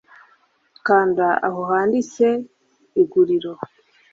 kanda aho handitse IGURIRO